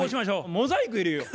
モザイク入れよう。